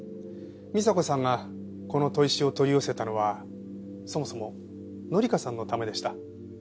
美沙子さんがこの砥石を取り寄せたのはそもそも紀香さんのためでした。